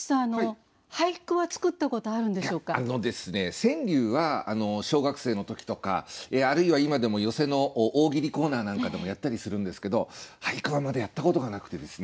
川柳は小学生の時とかあるいは今でも寄席の大喜利コーナーなんかでもやったりするんですけど俳句はまだやったことがなくてですねはい。